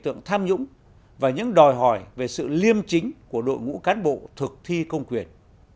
tượng tham nhũng và những đòi hỏi về sự liêm chính của đội ngũ cán bộ thực thi công quyền